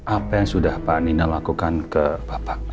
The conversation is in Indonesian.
apa yang sudah pak nino lakukan ke bapak